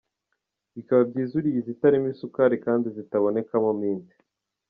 Bikaba byiza uriye izitarimo isukari kandi zitabonekamo mint.